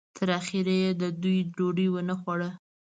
تر اخره یې د دوی ډوډۍ ونه خوړه.